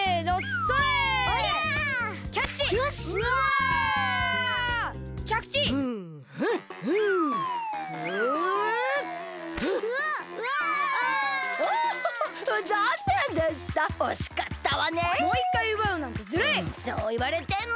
そういわれても！